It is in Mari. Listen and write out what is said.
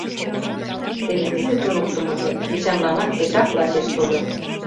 Теве тиде туныктымыжо Эчанланат пешак лачеш тольо.